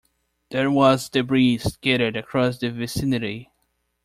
There was debris scattered across the vicinity.